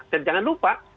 dan jangan lupa